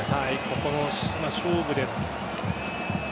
ここの勝負です。